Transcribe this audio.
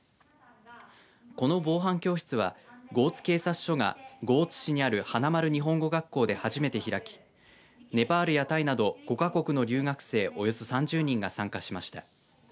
この防犯教室は江津警察署が江津市にあるはなまる日本語学校で初めて開きネパールやタイなど５か国の留学生およそ３０人が参加しました。